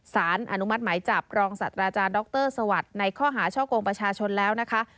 สารอนุมัติหมายจับรองศาสตราจารย์ดรสวัสดิ์ในข้อหาช่อกงประชาชนแล้วนะคะ